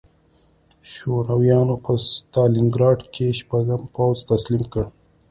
شورویانو په ستالینګراډ کې شپږم پوځ تسلیم کړ